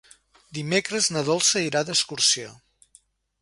Dimecres na Dolça irà d'excursió.